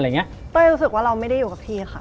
เต้ยรู้สึกว่าเราไม่ได้อยู่กับพี่ค่ะ